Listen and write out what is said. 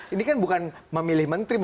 ini kan bukan memilih menteri